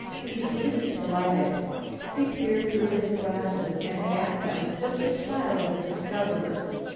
He seemed to like it. He peered through his glasses and at them with the smile of a discoverer.